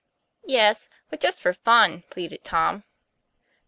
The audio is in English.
"Yes; but just for fun," pleaded Tom.